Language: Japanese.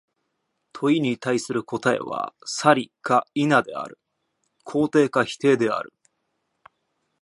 問に対する答は、「然り」か「否」である、肯定か否定である。